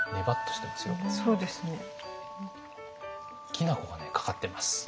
きな粉がねかかってます。